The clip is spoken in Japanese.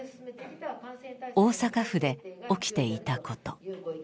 大阪府で起きていたこと。